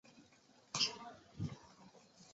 丈夫是棒球选手堂林翔太。